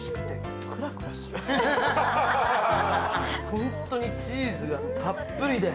ホントにチーズがたっぷりで。